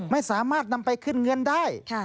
ไม่สามารถนำไปขึ้นเงินได้